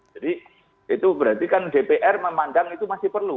jadi itu berarti kan dpr memandang itu masih perlu